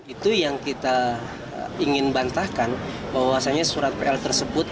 itu yang kita ingin bantahkan bahwasannya surat pl tersebut